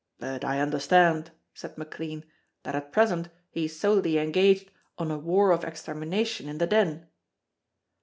"But I understood," said McLean, "that at present he is solely engaged on a war of extermination in the Den."